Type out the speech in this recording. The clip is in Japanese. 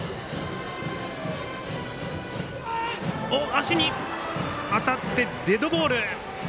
足に当たって、デッドボール。